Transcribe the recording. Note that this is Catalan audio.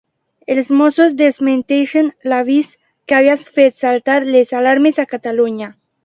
Els Mossos desmenteixen l'avís que havia fet saltar les alarmes a Catalunya.